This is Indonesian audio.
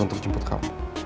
untuk jemput kamu